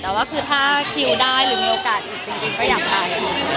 แต่ว่าคือถ้าคิวได้หรือมีโอกาสอีกจริงก็อยากตายอีก